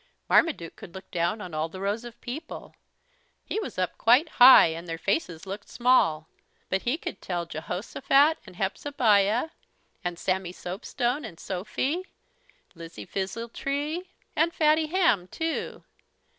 Marmaduke could look down on all the rows of people. He was up quite high and their faces looked small, but he could tell Jehosophat, and Hepzebiah, and Sammy Soapstone, and Sophy, Lizzie Fizzletree, and Fatty Hamm, too.